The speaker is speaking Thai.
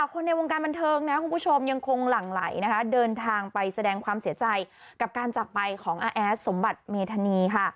คนในวงการบันเทิงยังคงหลั่งไหลเดินทางไปแสดงความเสียใจกับการจักไปของอาแอสสมบัติเมธานี